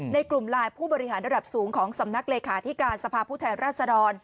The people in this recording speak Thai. ในกลุ่มไลน์ผู้บริหารระดับสูงของสำนักเลขาธิการสภาพผู้แทนราชดร